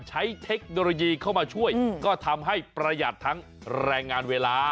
เทคโนโลยีเข้ามาช่วยก็ทำให้ประหยัดทั้งแรงงานเวลา